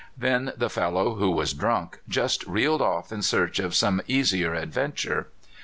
Then the fellow, who was drunk, just reeled off in search of some easier adventure.